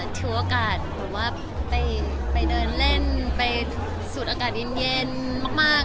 ถืออากาศไปเดินเล่นไปสูดอากาศเย็นมาก